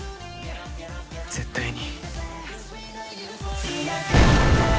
絶対に